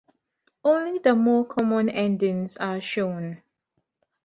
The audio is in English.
Only the more common endings are shown.